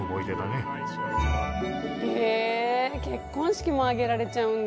へえ結婚式も挙げられちゃうんだ。